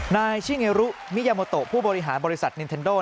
นายชิเงรุมิยาโมโตผู้บริหารบริษัทนินเทนโด